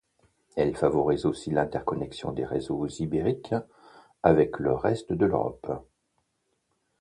Elle favorise aussi l’interconnexion des réseaux ibériques avec le reste de l’Europe.